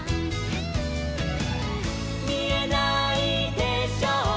「みえないでしょう